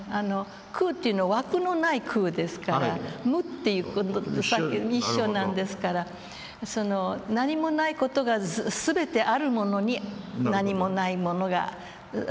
空っていうのは枠のない空ですから無っていう事と一緒なんですから何もない事が全てあるものに何もないものが。